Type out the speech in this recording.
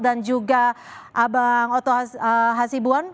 dan juga abang otto hasibuan